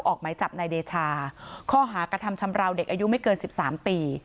ออกหมายจับนายเดชาข้อหากระทำชำราวเด็กอายุไม่เกิน๑๓ปี